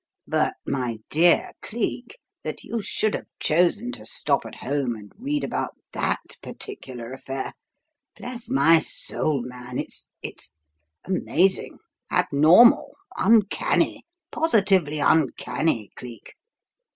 "But, my dear Cleek, that you should have chosen to stop at home and read about that particular affair! Bless my soul man, it's it's amazing, abnormal, uncanny! Positively uncanny, Cleek!"